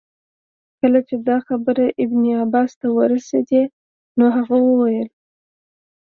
کله چي دا خبر ابن عباس ته ورسېدی نو هغه وویل.